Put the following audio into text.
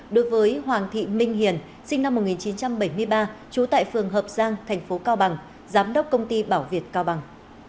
đối với hoàng thị minh hiền sinh năm một nghìn chín trăm bảy mươi ba trú tại phường hợp giang thành phố cao bằng giám đốc công ty bảo việt cao bằng